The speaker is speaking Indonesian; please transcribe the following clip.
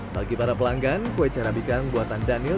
bagi para pelanggan kue carabica yang buatan daniel